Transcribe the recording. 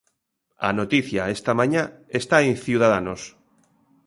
A noticia esta mañá está en Ciudadanos.